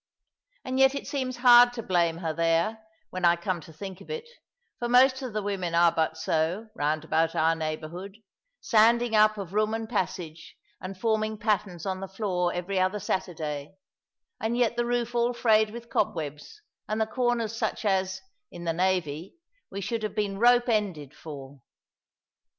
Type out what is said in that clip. And yet it seems hard to blame her there, when I come to think of it, for most of the women are but so, round about our neighbourhood sanding up of room and passage, and forming patterns on the floor every other Saturday, and yet the roof all frayed with cobwebs, and the corners such as, in the navy, we should have been rope ended for.